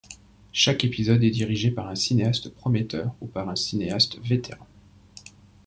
Chaque épisode est dirigé par un cinéaste prometteur ou par un cinéaste vétéran.